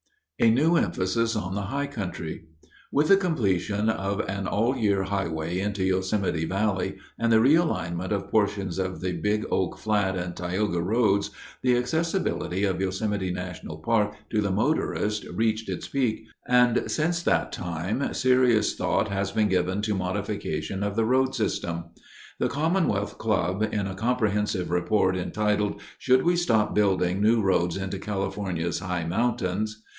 A New Emphasis on the High Country With the completion of an all year highway into Yosemite Valley and the realignment of portions of the Big Oak Flat and Tioga roads, the accessibility of Yosemite National Park to the motorist reached its peak, and since that time serious thought has been given to modification of the road system. The Commonwealth Club, in a comprehensive report entitled, "Should We Stop Building New Roads into California's High Mountains?"